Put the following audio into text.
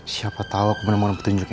siapa tau aku bener bener petunjuknya